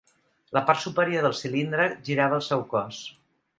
La part superior del cilindre girava al seu cos.